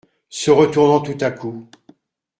Se retournant tout à coup.